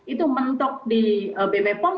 itu mentok di bmpom